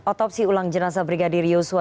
otopsi ulang jenazah brigadir yosua